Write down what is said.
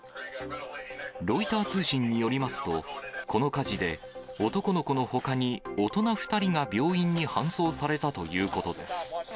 ロイター通信によりますと、この火事で男の子のほかに、大人２人が病院に搬送されたということです。